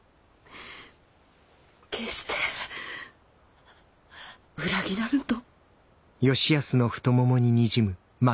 決して裏切らぬと。